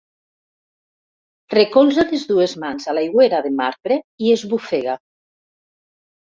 Recolza les dues mans a l'aigüera de marbre i esbufega.